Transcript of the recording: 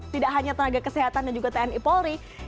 tidak hanya tenaga kesehatan dan juga tni polri